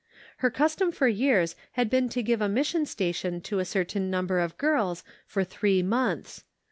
Her custom for years has been to give a mission station to a certain number of girls for three months.